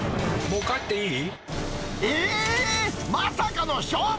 もう帰っていい？